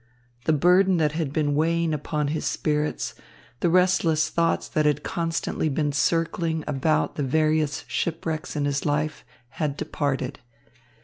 The burden that had been weighing upon his spirits, the restless thoughts that had constantly been circling about the various shipwrecks in his life had departed.